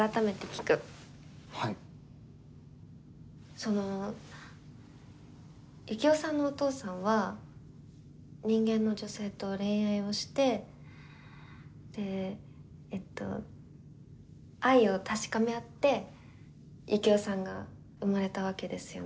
そのユキオさんのお父さんは人間の女性と恋愛をしてでえっと愛を確かめ合ってユキオさんが生まれたわけですよね？